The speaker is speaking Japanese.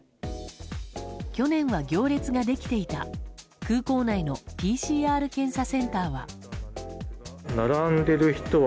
去年は行列ができていた空港内のＰＣＲ検査センターは。